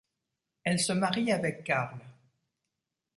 Elle se marie avec Carl.